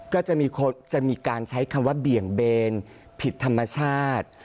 ก็จะมีการใช้คำว่าเบี่ยงเบนผิดธรรมชาติ